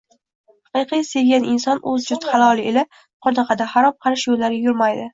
Haqiqiy sevgan inson o‘z jufti haloli ila qoniqadi, harom-xarish yo‘llarga yurmaydi.